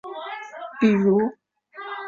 比如